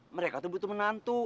mereka tuh butuh menantu